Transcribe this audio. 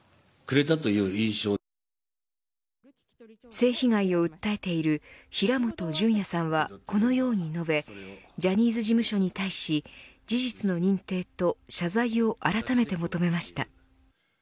性被害を訴えている平本淳也さんはこのように述べジャニーズ事務所に対し事実の認定と謝罪をあらためて求めました。